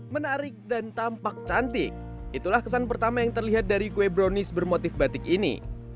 menarik dan tampak cantik itulah kesan pertama yang terlihat dari kue brownies bermotif batik ini